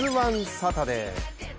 サタデー。